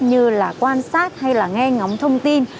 như là quan sát hay là nghe ngóng thông tin